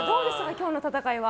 今日の戦いは。